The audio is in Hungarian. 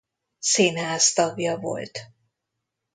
Színház tagja volt.